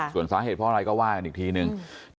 ส่วนสาเหตุเพราะอะไรก็ว่ากันอีกทีนึง